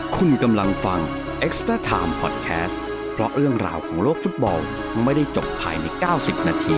คุณกำลังฟังเอ็กซ์เตอร์ไทม์พอดแคสต์เพราะเรื่องราวของโลกฟุตบอลไม่ได้จบภายใน๙๐นาที